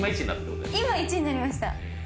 今１になりました。